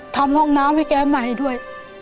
ทำห้องน้ำให้แกใหม่ด้วย